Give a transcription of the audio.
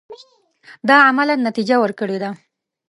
دا عملاً نتیجه ورکړې ده.